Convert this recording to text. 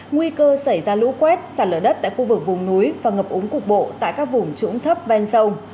nguy cơ xảy ra lũ quét sản lở đất tại khu vực vùng núi và ngập ống cục bộ tại các vùng trũng thấp ven sâu